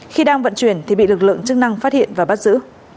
khi đang vận chuyển thì bị lực lượng chức năng phát hiện và bắt giữ